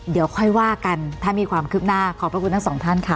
เดี๋ยวค่อยว่ากันถ้ามีความคืบหน้าขอบพระคุณทั้งสองท่านค่ะ